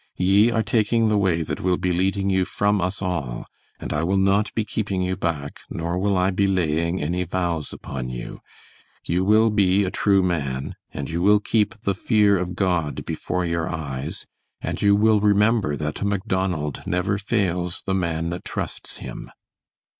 Ye are taking the way that will be leading you from us all, and I will not be keeping you back, nor will I be laying any vows upon you. You will be a true man, and you will keep the fear of God before your eyes, and you will remember that a Macdonald never fails the man that trusts him."